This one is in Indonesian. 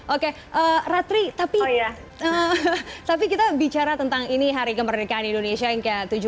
oke ratri tapi kita bicara tentang ini hari kemerdekaan indonesia yang ke tujuh belas